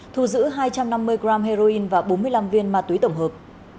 thu giữ hai trăm năm mươi g heroin và bốn mươi năm viên ma túy tổng hợp